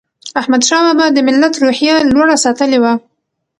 احمدشاه بابا د ملت روحیه لوړه ساتلې وه.